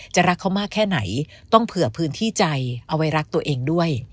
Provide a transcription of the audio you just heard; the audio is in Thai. รักเขามากแค่ไหนต้องเผื่อพื้นที่ใจเอาไว้รักตัวเองด้วย